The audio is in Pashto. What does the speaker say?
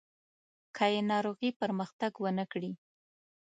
که یې ناروغي پرمختګ ونه کړي.